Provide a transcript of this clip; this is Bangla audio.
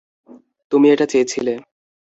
তুমি এটা চেয়েছিলে।